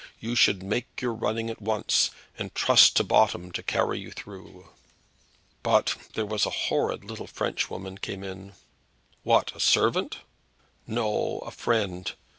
"You should make your running at once, and trust to bottom to carry you through." "But there was a horrid little Frenchwoman came in!" "What; a servant?" "No; a friend.